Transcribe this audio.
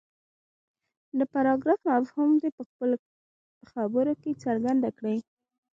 د پراګراف مفهوم دې په خپلو خبرو کې څرګند کړي.